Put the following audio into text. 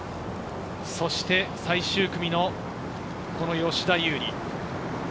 そして最終組の吉田優利。